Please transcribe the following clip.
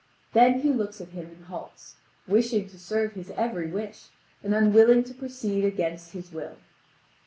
Then he looks at him and halts, wishing to serve his every wish, and unwilling to proceed against his will.